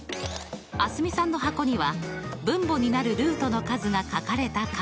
蒼澄さんの箱には分母になるルートの数が書かれたカードが。